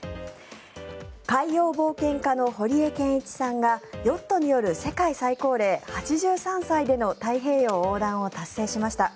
海洋冒険家の堀江謙一さんがヨットによる世界最高齢８３歳での太平洋横断を達成しました。